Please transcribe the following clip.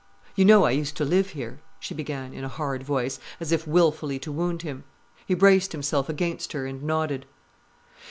"You know I used to live here?" she began, in a hard voice, as if wilfully to wound him. He braced himself against her, and nodded.